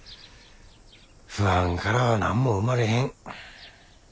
不安からは何も生まれへん。